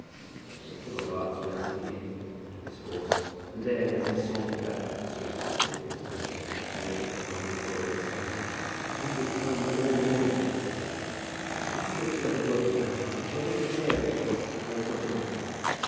So Mr. Robarts went to the inn, put up his horse, and then, as he sauntered back up the street, met Mr. Walker coming out of the private door of his house. "I've been at home all the morning," he said, "but I've had a stiff job of work on hand, and told them to say in the office that I was not in.